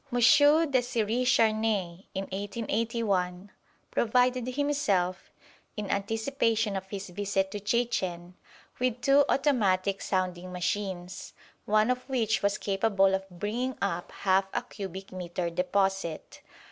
M. D. Charnay in 1881 provided himself, in anticipation of his visit to Chichen with two automatic sounding machines, one of which was capable of bringing up half a cubic metre deposit.